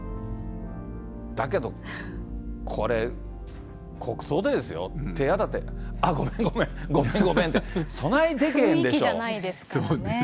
だけど、これ、国葬でですよ、手当たって、あっ、ごめんごめん、ごめんごめんって、雰囲気じゃないですからね。